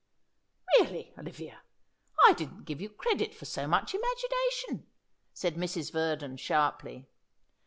"Really, Olivia, I didn't give you credit for so much imagination," said Mrs. Verdon sharply.